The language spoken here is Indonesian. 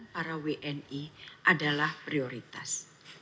para wni adalah prioritas